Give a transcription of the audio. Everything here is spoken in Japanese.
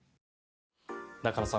中野さん